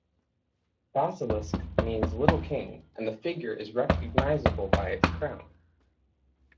Basilisk means "little king" and the figure is recognisable by its crown.